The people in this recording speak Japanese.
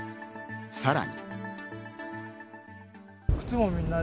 さらに。